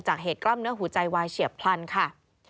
เหตุกล้ามเนื้อหัวใจวายเฉียบพลันค่ะ